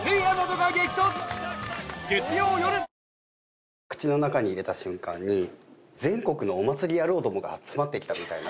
続く口の中に入れた瞬間に全国のお祭り野郎どもが集まってきたみたいな。